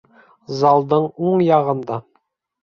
Залдың уң яғында